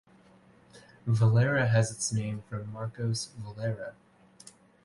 Valera has its name from Marcos Valera.